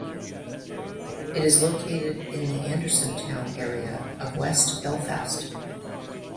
It is located in the Andersonstown area of west Belfast.